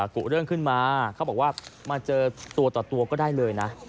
กุเรื่องขึ้นมาเขาบอกว่ามาเจอตัวต่อตัวก็ได้เลยนะ